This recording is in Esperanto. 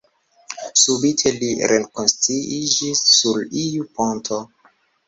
Subite li rekonsciiĝis sur iu ponto.